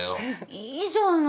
いいじゃない。